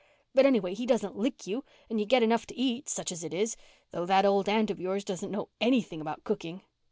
But anyway he doesn't lick you, and you get enough to eat such as it is—though that old aunt of yours doesn't know anything about cooking.